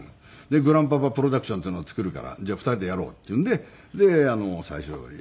「グランパパプロダクションっていうのを作るから２人でやろう」って言うんで最初やりだしたんで。